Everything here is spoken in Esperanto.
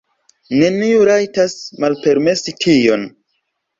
Neniu rajtas malpermesi tion!